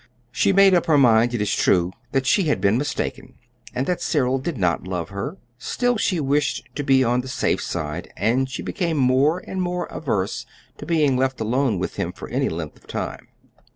She made up her mind, it is true, that she had been mistaken, and that Cyril did not love her; still she wished to be on the safe side, and she became more and more averse to being left alone with him for any length of time.